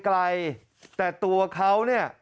ไกลแต่ตัวเขาเนี่ย